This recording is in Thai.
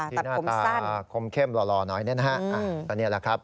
ที่หน้าตาคมเข้มหล่อน้อยนี่นะครับตัวเนี่ยแหละครับ